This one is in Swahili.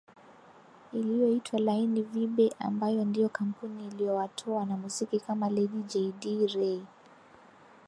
iliyoitwa laini Vibe ambayo ndio kampuni iliyowatoa wanamuziki kama Lady Jay Dee Ray